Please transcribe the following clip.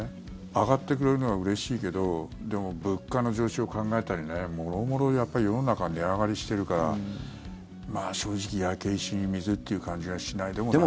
上がってくれるのはうれしいけどでも、物価の上昇を考えたりもろもろ世の中、値上がりしてるからまあ、正直焼け石に水という感じがしないでもないなと。